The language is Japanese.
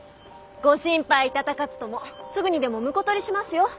ご心配頂かずともすぐにでも婿取りしますよ。